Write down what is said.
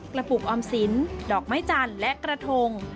กระปุกออมสินดอกไม้จานและกระทง